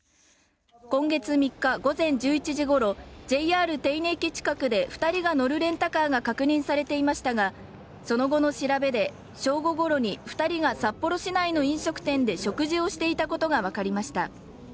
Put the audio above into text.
今月３日午前１１時ごろＪＲ手稲駅近くで二人が乗るレンタカーが確認されていましたがその後の調べで正午ごろに二人が札幌市内の飲食店で食事をしていたことが分かりました